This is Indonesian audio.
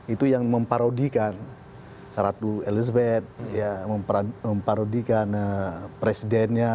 itu yang memparodikan ratu elizabeth memparodikan presidennya